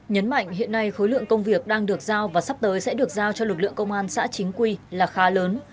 nhấn mạnh hiện nay khối lượng công việc đang được giao và sắp tới sẽ được giao cho lực lượng công an xã chính quy là khá lớn